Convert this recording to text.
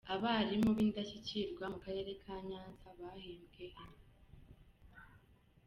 Abarimu b’indashyikirwa mu Karere ka Nyanza bahembwe inka.